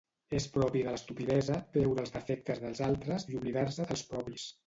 És propi de l'estupidesa veure els defectes dels altres i oblidar-se dels propis.